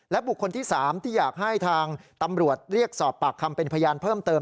บุคคลที่๓ที่อยากให้ทางตำรวจเรียกสอบปากคำเป็นพยานเพิ่มเติม